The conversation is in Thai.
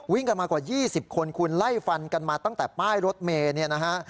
วิ่งกันมากว่ายี่สิบคนควรไล่ฟันกันมาตั้งแต่ป้ายรถเมเนี่ยนะฮะ